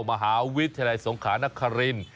มหาวิทยาลัยสงขานคริน